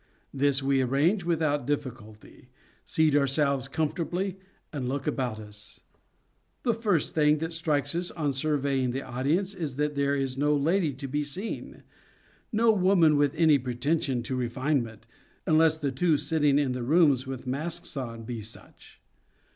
This we arrange without difficulty, seat ourselves comfortably, and look about us. The first thing that strikes us on surveying the audience is that there is no lady to be seen, no woman with any pretension to refinement, unless the two sitting in the rooms with masks on be such.